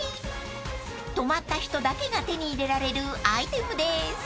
［泊まった人だけが手に入れられるアイテムです］